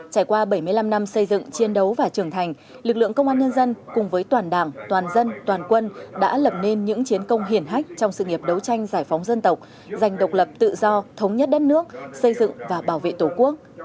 trải qua bảy mươi năm năm xây dựng chiến đấu và trưởng thành lực lượng công an nhân dân cùng với toàn đảng toàn dân toàn quân đã lập nên những chiến công hiển hách trong sự nghiệp đấu tranh giải phóng dân tộc giành độc lập tự do thống nhất đất nước xây dựng và bảo vệ tổ quốc